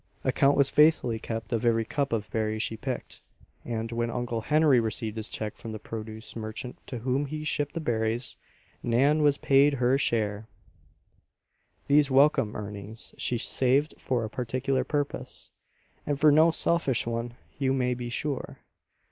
Account was faithfully kept of every cup of berries she picked, and, when Uncle Henry received his check from the produce merchant to whom he shipped the berries, Nan was paid her share. These welcome earnings she saved for a particular purpose, and for no selfish one, you may be sure.